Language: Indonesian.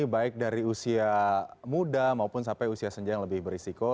baik dari usia muda maupun sampai usia senja yang lebih berisiko